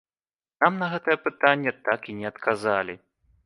Нам на гэтае пытанне так і не адказалі.